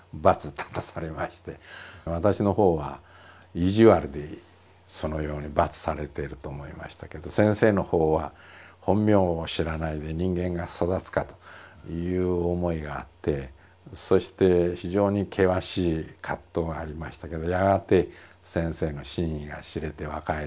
私のほうは意地悪でそのように罰されていると思いましたけど先生のほうは本名を知らないで人間が育つかという思いがあってそして非常に険しい葛藤はありましたけどやがて先生の真意が知れて和解する日が来たんですけど。